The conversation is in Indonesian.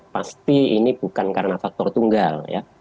pasti ini bukan karena faktor tunggal ya